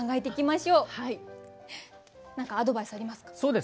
何かアドバイスありますか？